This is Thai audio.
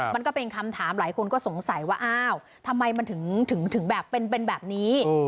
มันก็เป็นคำถามหลายคนก็สงสัยว่าอ้าวทำไมมันถึงแบบเป็นแบบนี้